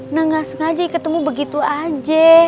nah nggak sengaja ketemu begitu aja